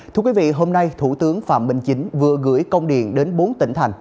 thưa quý vị hôm nay thủ tướng phạm minh chính vừa gửi công điện đến bốn tỉnh thành